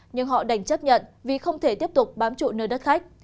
nhưng họ đành chấp nhận vì không thể tiếp tục bám trụ nơi đất khách